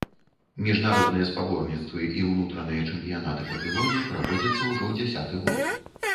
Міжнародныя спаборніцтвы і ўнутраныя чэмпіянаты па пілоне праводзяцца ўжо дзясяты год.